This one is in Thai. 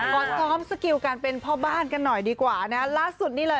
ขอซ้อมสกิลการเป็นพ่อบ้านกันหน่อยดีกว่านะล่าสุดนี้เลย